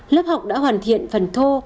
lớp học đã hoàn thiện phần thô